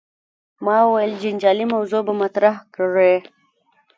ما ویل جنجالي موضوع به مطرح کړې.